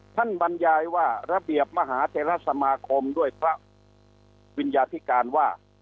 บรรยายว่าระเบียบมหาเทราสมาคมด้วยพระวิญญาธิการว่า